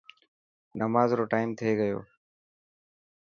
نماز رو ٽائيم ٿي گيو.